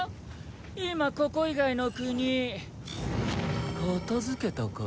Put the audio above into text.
今ここ以外の国片付けたから。